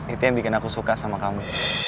itu yang bikin aku suka sama kamu